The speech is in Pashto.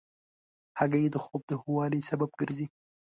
هګۍ د خوب د ښه والي سبب ګرځي.